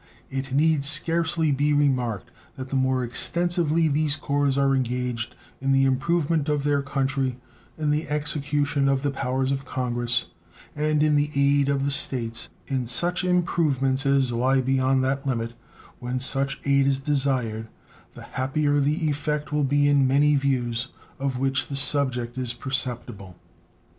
It need scarcely be remarked that the more extensively these corps are engaged in the improvement of their country, in the execution of the powers of Congress, and in aid of the States in such improvements as lie beyond that limit, when such aid is desired, the happier the effect will be in many views of which the subject is perceptible.